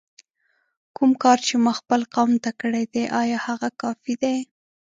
کوم کار چې ما خپل قوم ته کړی دی آیا هغه کافي دی؟!